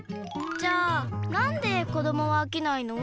じゃあなんで子どもはあきないの？